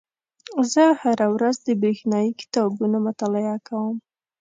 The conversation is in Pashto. زه هره ورځ د بریښنایي کتابونو مطالعه کوم.